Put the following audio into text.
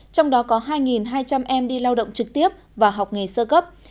trong đó có hai hai trăm linh em đi lao động trực tiếp và học nghề sơ cấp